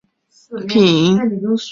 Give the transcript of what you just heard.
公司生产的产品